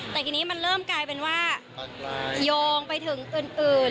แต่ทีนี้มันเริ่มกลายเป็นว่าโยงไปถึงอื่น